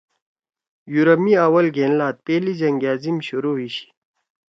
یورپ می آول گھین لات)پہلی جنگ عظیم( شروع ہی شی